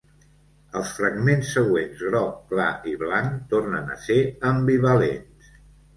Els fragments següents groc clar i blanc tornen a ser ambivalents.